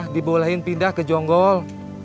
dibolehin pindah ke jonggol